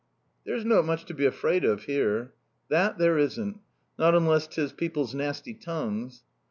"There's not much to be afraid of here." "That there isn't. Not unless 'tis people's nasty tongues."